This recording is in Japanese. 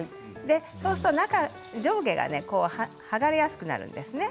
そうすると上下が剥がれやすくなるんですね。